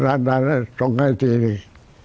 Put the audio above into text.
ลูกสาวก็ส่งให้ทีนี้